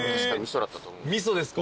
味噌ですか。